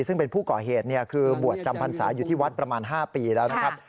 ซึ่งเป็นผู้ก่อเหตุคือบวชจำพรรษาอยู่ที่วัดประมาณ๕ปีแล้วนะครับ